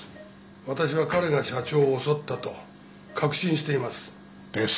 私は彼が社長を襲ったと確信しています。